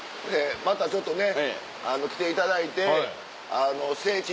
またちょっとね来ていただいて聖地